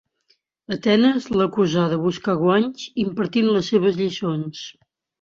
Atenes l'acusà de buscar guanys impartint les seves lliçons.